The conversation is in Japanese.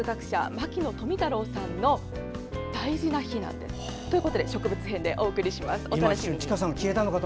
牧野富太郎さんの大事な日なんです。ということで植物編でお届けします。